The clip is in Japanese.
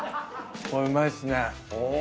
これうまいっすね。